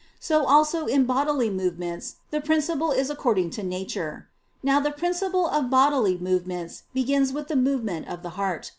So also in bodily movements the principle is according to nature. Now the principle of bodily movements begins with the movement of the heart.